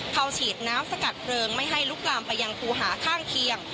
ฉีดน้ำสกัดเพลิงไม่ให้ลุกลามไปยังครูหาข้างเคียง